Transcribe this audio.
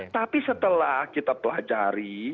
tapi setelah kita pelajari